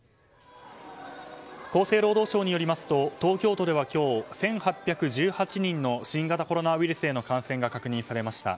厚生労働省によりますと東京都では今日１８１８人の新型コロナウイルスへの感染が確認されました。